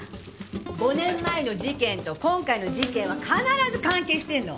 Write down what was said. ５年前の事件と今回の事件は必ず関係してるの。